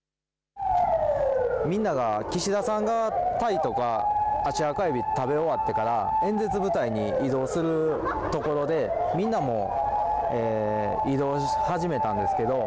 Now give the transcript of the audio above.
みんなが、岸田さんがタイとか食べ終わってから演説舞台に移動するところでみんなも移動を始めたんですけど